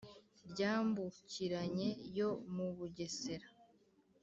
ryambukiranye yo mubugesera